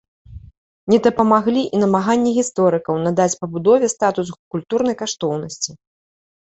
Не дапамаглі і намаганні гісторыкаў надаць пабудове статус культурнай каштоўнасці.